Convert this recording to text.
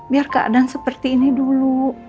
biar keadaan seperti ini dulu